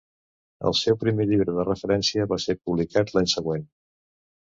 El seu primer llibre de referència va ser publicat l'any següent.